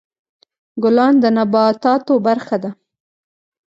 ګلان د نباتاتو برخه ده.